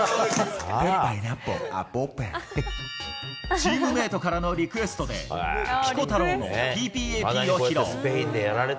チームメートからのリクエストで、ピコ太郎のＰＰＡＰを披露。